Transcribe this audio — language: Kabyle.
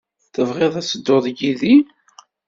Tebɣiḍ ad tedduḍ yid-i?